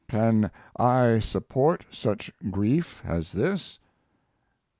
Can I support such grief as this?